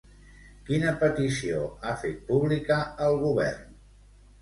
Quina petició ha fet pública al govern?